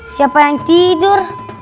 siapa yang tidur